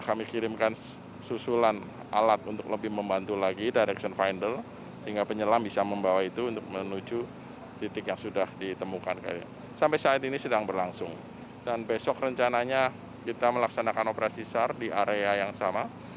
pada saat ini kita sudah melakukan operasi sar di area yang sama